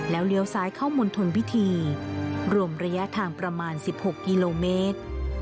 เลี้ยวซ้ายเข้ามณฑลพิธีรวมระยะทางประมาณ๑๖กิโลเมตร